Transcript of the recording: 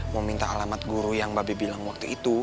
mau minta alamat guru yang babe bilang waktu itu